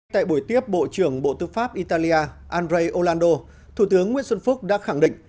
tại buổi tiếp bộ trưởng bộ tư pháp italia andrei olanddo thủ tướng nguyễn xuân phúc đã khẳng định